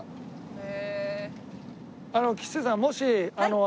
へえ。